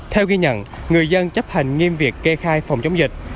theo ghi nhận người dân chấp hành nghiêm việc kê khai phòng chống dịch